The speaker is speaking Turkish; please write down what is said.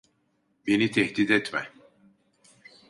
Beni tehdit etme.